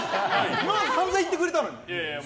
今まで散々言ってくれたのに！